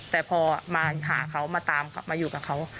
แต่พอมาหาเขามาตามกลับมาอยู่กับเขา